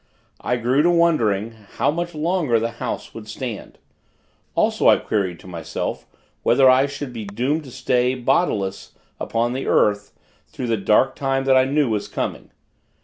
I grew to wondering, how much longer the house would stand. Also, I queried, to myself, whether I should be doomed to stay, bodiless, upon the earth, through the dark time that I knew was coming.